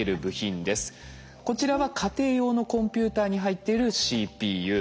こちらは家庭用のコンピューターに入っているＣＰＵ。